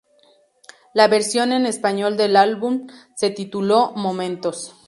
La versión en español del álbum se tituló "Momentos".